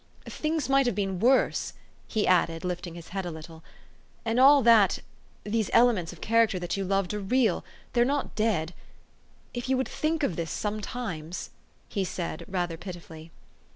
" Things might have been worse," he added, lift ing his head a little ;'' and all that these elements of character that you loved are real : they are not dead. If you would think of this sometimes !" he said rather pitifully.